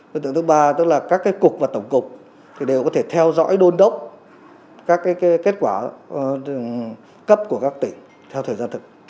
đối tượng thứ ba tức là các cục và tổng cục đều có thể theo dõi đôn đốc các kết quả cấp của các tỉnh theo thời gian thực